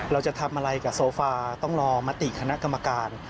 เราจะทำอะไรกับโซฟาต้องรอมติคณะกรรมการ